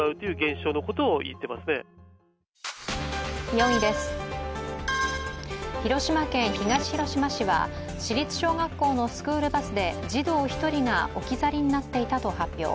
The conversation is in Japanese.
４位です、広島県東広島市は市立小学校のスクールバスで児童１人が置き去りになっていたと発表。